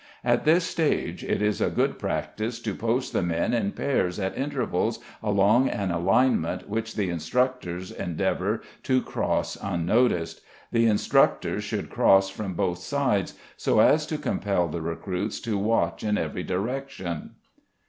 At this stage it is a good practice to post the men in pairs at intervals along an alignment which the instructors endeavour to cross unnoticed. The instructors should cross from both sides, so as to compel the recruits to watch in every direction.